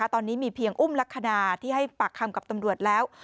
ตอนนี้มีเพียงอุ้มลักษณะที่ให้ปากคำกับตำรวจแล้ว